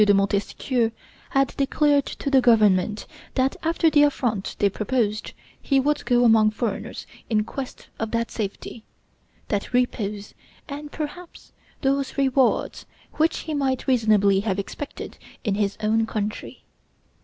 de Montesquieu had declared to the government that, after the affront they proposed, he would go among foreigners in quest of that safety, that repose, and perhaps those rewards which he might reasonably have expected in his own country.